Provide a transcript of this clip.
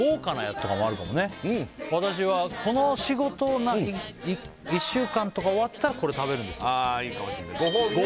私はこの仕事を１週間とか終わったらこれ食べるんですといいかもしれないご褒美ね